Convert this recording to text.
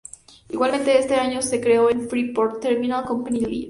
Igualmente, ese mismo año se creó el Free Port Terminal Company Ltd.